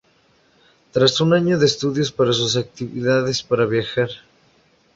Tras un año de estudios, para sus actividades para viajar.